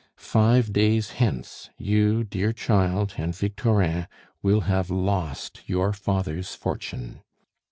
Five days hence you, dear child, and Victorin will have lost your father's fortune."